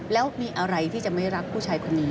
แล้วมีอะไรที่จะไม่รักผู้ชายคนนี้